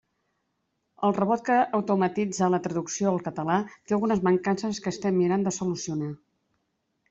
El robot que automatitza la traducció al català té algunes mancances que estem mirant de solucionar.